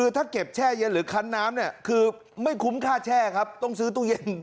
ถ้าเก็บแช่เย็นหรือคันน้ำเนี่ยคือไม่คุ้มค่าแช่ครับต้องซื้อตู้เย็น